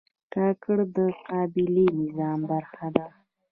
کاکړ د قبایلي نظام برخه ده.